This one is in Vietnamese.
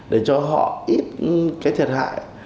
để cho họ ít thiệt hại